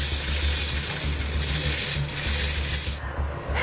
え⁉